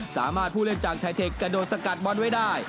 สามารถผู้เล่นจากไทเทคกระโดดสกัดบอลไว้ได้